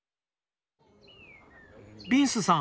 ビンスさん